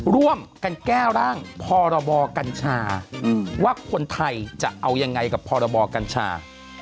ร่วมกันแก้ร่างพรบกัญชาว่าคนไทยจะเอายังไงกับพรบกัญชา